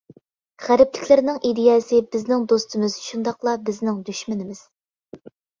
غەربلىكلەرنىڭ ئىدىيەسى بىزنىڭ دوستىمىز شۇنداقلا بىزنىڭ دۈشمىنىمىز.